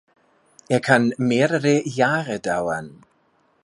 Er kann mehrere Jahre dauern.